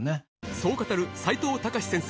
そう語る齋藤孝先生